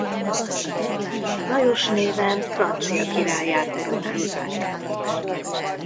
Lajos néven francia királlyá koronázták.